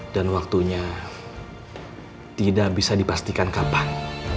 waktunya tidak bisa dipastikan kapan